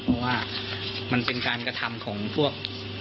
เพราะว่ามันเป็นการกระทำของพวก